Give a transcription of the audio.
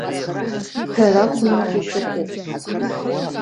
Ҳәара ақәым, иџьашьахәуп.